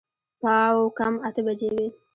پاو کم اته بجې وې.